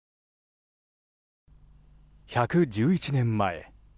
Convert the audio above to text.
１１１年前。